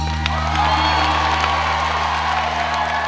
โอ้โฮโอ้โฮโอ้โฮ